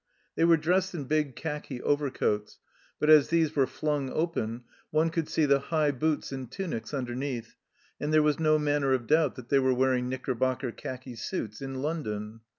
They were dressed in big khaki overcoats, but as these were flung open one could see the high boots and tunics underneath, and there was no manner of doubt that they were wearing knickerbocker khaki suits in London